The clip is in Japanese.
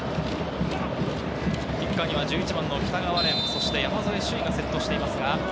キッカーには１１番の北川漣、そして山副朱生がセットしています。